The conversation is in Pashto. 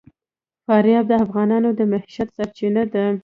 فاریاب د افغانانو د معیشت سرچینه ده.